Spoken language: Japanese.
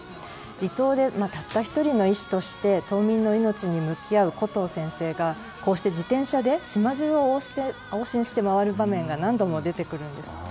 離島でたった１人の医師として島民の命に向き合うコトー先生が自転車で島中を往診して回る場面が何度も出てくるんです。